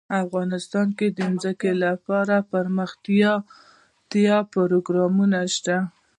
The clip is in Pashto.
افغانستان کې د ځمکه لپاره دپرمختیا پروګرامونه شته.